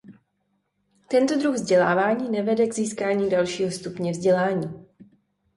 Tento druh vzdělávání nevede k získání dalšího stupně vzdělání.